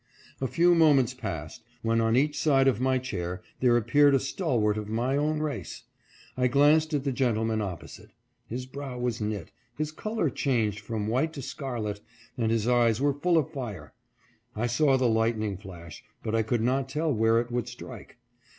A few moments passed, when on each side of my chair there appeared a stalwart of my own race. I glanced at the gentleman op posite. His brow was knit, his color changed from white to scarlet, and his eyes were full of fire. I saw the light ning flash, but I could not tell where it would strike.